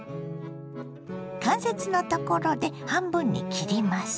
関節のところで半分に切ります。